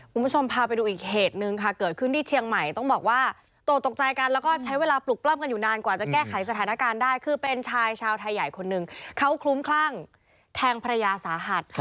คุณผู้ชมพาไปดูอีกเหตุหนึ่งค่ะเกิดขึ้นที่เชียงใหม่ต้องบอกว่าโตตกใจกันแล้วก็ใช้เวลาปลุกปล้ำกันอยู่นานกว่าจะแก้ไขสถานการณ์ได้คือเป็นชายชาวไทยใหญ่คนหนึ่งเขาคลุ้มคลั่งแทงภรรยาสาหัส